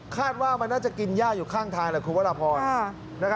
คาดว่ามันน่าจะกินย่าอยู่ข้างทางแหละคุณวรพร